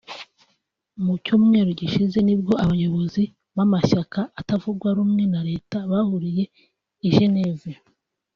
Mu Cyumweru gishize nibwo abayobozi b’amashyaka atavuga rumwe na Leta bahuriye i Genève